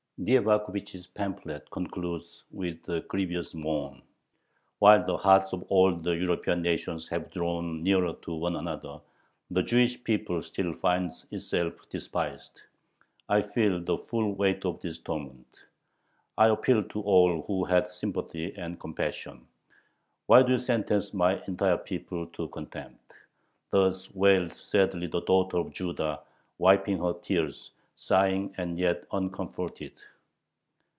Nyevakhovich's pamphlet concludes with a grievous moan: While the hearts of all the European nations have drawn nearer to one another, the Jewish people still finds itself despised. I feel the full weight of this torment. I appeal to all who have sympathy and compassion. Why do you sentence my entire people to contempt? Thus waileth sadly the daughter of Judah, wiping her tears, sighing and yet uncomforted.